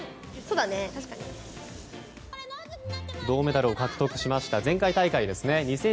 銅メダルを獲得しました前回大会ですね。